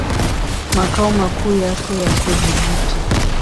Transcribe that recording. Makao makuu yake yako Jibuti.